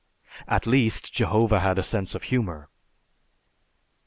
At least, Jehovah had a sense of humor!